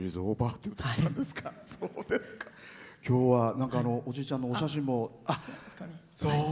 今日はおじいちゃんのお写真も。